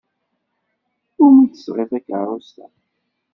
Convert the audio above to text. Umi d-tesɣiḍ takeṛṛust-a?